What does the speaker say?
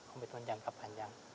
komitmen jangka panjang